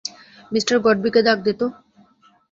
Mr গডবিকে ডাক দে তো।